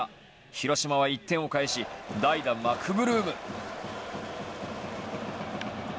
広島は１点を返し代打・マクブルーム。